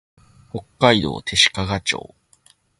北海道弟子屈町